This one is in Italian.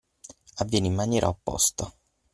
Avviene in maniera opposta.